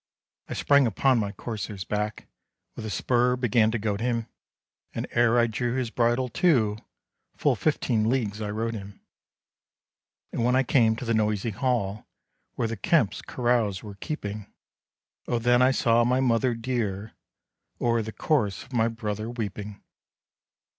I sprang upon my courser's back, With the spur began to goad him; And ere I drew his bridle to, Full fifteen leagues I rode him. And when I came to the noisy hall Where the Kemps carouse were keeping, O then I saw my mother dear O'er the corse of my brother weeping.